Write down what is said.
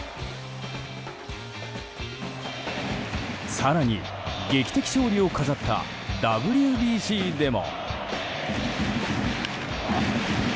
更に、劇的勝利を飾ったＷＢＣでも。